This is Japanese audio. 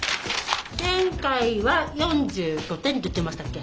前回は４５点って言ってましたっけ？